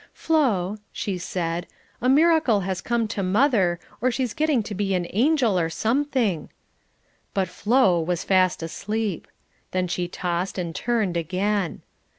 "Flo," she said, "a miracle has come to mother, or she's getting to be an angel, or something," but "Flo" was fast asleep; then she tossed and turned, again.